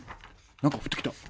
何か降ってきた。